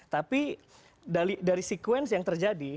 tapi dari sekuensi yang terjadi